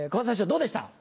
どうでした？